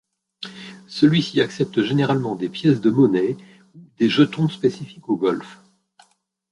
Celui-ci accepte généralement des pièces de monnaies ou des jetons spécifiques au golf.